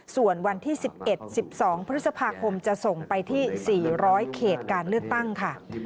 ส่วนวันที่๑๑๑๒พฤษภาคมจะส่งไปที่๔๐๐เขตการเลือกตั้งค่ะ